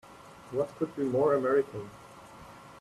What could be more American!